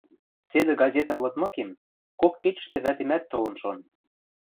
Седӹ газетӹм лыдмыкем, кок кечӹштӹ вӓтемӓт толын шон.